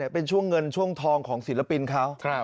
เป็นช่วงเงินช่วงทองของศิลปินเขา